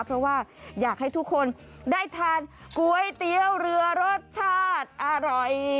เพราะว่าอยากให้ทุกคนได้ทานก๋วยเตี๋ยวเรือรสชาติอร่อย